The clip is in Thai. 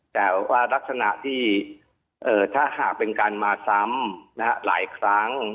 แต่ว่ารักษณะที่ถ้าหากเป็นการมาซ้ำหลายครั้ง